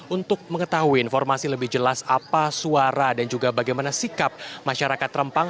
untuk mengetahui informasi lebih jelas apa suara dan juga bagaimana sikap masyarakat rempang